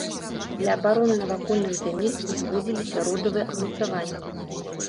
Для абароны навакольных зямель узводзіліся родавыя ўмацаванні.